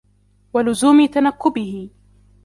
وَلُزُومِ تَنَكُّبِهِ